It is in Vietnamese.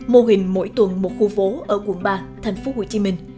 mô hình mỗi tuần một khu phố ở quận ba thành phố hồ chí minh